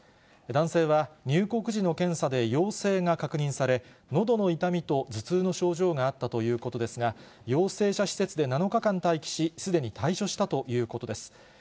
男性は入国時の検査で陽性が確認され、のどの痛みと頭痛の症状があったということですが、陽性者施設で７日間待機し、すでに退所したということです。